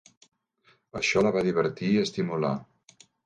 Això la va divertir i estimular.